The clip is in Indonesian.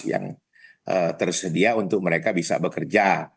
yang tersedia untuk mereka bisa bekerja